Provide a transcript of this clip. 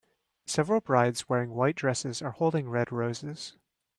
several brides wearing white dresses are holding red roses